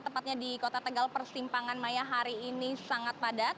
tepatnya di kota tegal persimpangan maya hari ini sangat padat